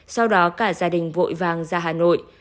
sau đó cả gia đình vội vàng ra hà nội